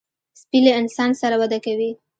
سپي له انسان سره وده کوي.